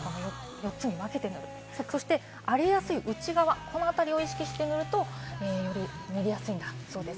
４つに分けて塗る、そして、荒れやすい内側、このあたりを意識して塗ると塗りやすいんだそうです。